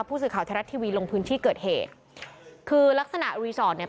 ผู้สื่อข่าวไทยรัฐทีวีลงพื้นที่เกิดเหตุคือลักษณะรีสอร์ทเนี่ย